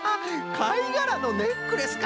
かいがらのネックレスか。